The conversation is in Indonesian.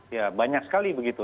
ya banyak sekali begitu